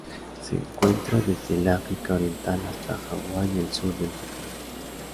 Se encuentra desde el África Oriental hasta Hawaii y el sur del Japón.